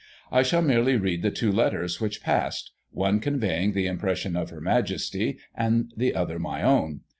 I shall merely read the two letters which passed ; one conveying the impressions of Her Majesty, and the other my own.